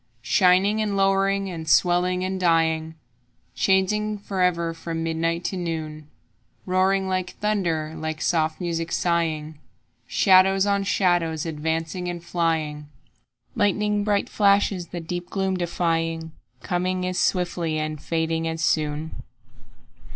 Shining and lowering and swelling and dying, Changing forever from midnight to noon; Roaring like thunder, like soft music sighing, Shadows on shadows advancing and flying, Lighning bright flashes the deep gloom defying, Coming as swiftly and fading as soon.